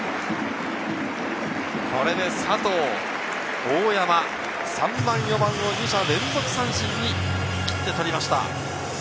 これで佐藤、大山、３番、４番を２者連続三振に切って取りました。